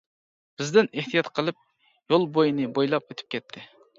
بىزدىن ئېھتىيات قىلىپ، يول بويىنى بويلاپ ئۆتۈپ كەتتى.